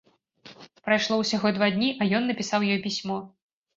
Прайшло ўсяго два дні, а ён напісаў ёй пісьмо.